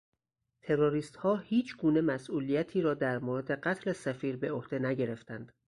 تروریستهاهیچ گونه مسئولیتی را در مورد قتل سفیر به عهده نگرفتند.